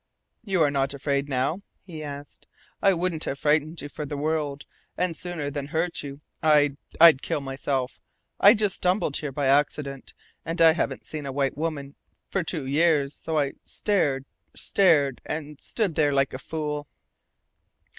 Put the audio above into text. "You are not afraid now?" he asked. "I wouldn't have frightened you for the world. And sooner than hurt you I'd I'd kill myself. I just stumbled here by accident. And I haven't seen a white woman for two years. So I stared stared and stood there like a fool."